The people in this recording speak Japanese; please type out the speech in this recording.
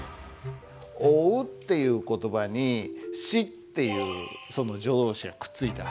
「追う」っていう言葉に「し」っていう助動詞がくっついた訳。